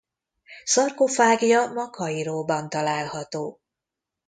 Szarkofágja ma Kairóban található.